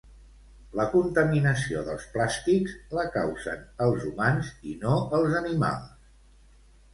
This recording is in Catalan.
La contaminació dels plàstics la causen els humans i no els animals